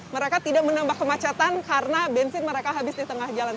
mereka tidak menambah kemacetan karena bensin mereka habis di tengah jalan